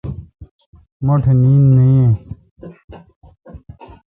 م ٹھ نیند نہ یین۔